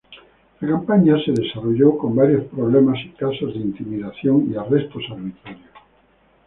La campaña se desarrolló con varios problemas y casos de intimidación y arrestos arbitrarios.